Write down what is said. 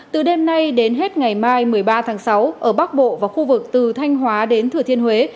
từ đêm nay đến hết ngày mai một mươi ba tháng sáu ở bắc bộ và khu vực từ thanh hóa đến thừa thiên huế